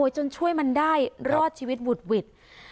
จนช่วยมันได้รอดชีวิตหวุดหวิด